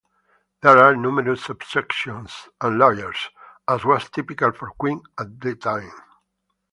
There are numerous subsections and layers, as was typical for Queen at the time.